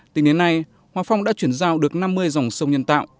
tính đến nay hòa phong đã chuyển giao được năm mươi dòng sông nhân tạo